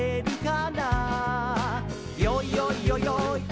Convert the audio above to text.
「よいよいよよい